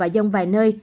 dông vài nơi